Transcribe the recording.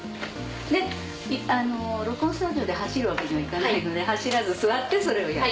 ねっ録音スタジオで走るわけにはいかないので走らず座ってそれをやる。